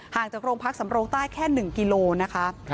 จากโรงพักสำโรงใต้แค่๑กิโลนะคะ